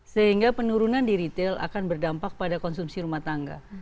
sehingga penurunan di retail akan berdampak pada konsumsi rumah tangga